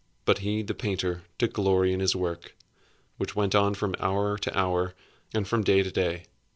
But he, the painter, took glory in his work, which went on from hour to hour, and from day to day.